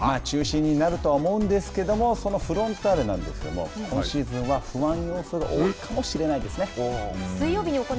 中心になるとは思うんですけどもそのフロンターレなんですけれども今シーズンは不安要素が多いかもしれないですね。